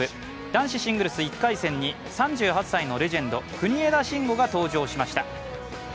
男子シングルス１回戦に３８歳のレジェンド、国枝慎吾が登場しました。